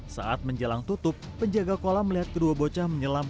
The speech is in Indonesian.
saat menjelang tutup penjaga kolam melihat kedua bocah menyelam